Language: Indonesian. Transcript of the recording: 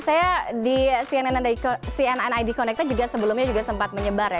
saya di cnn id connected juga sebelumnya juga sempat menyebar ya